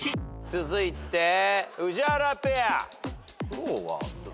続いて宇治原ペア。